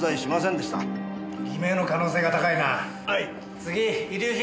次遺留品。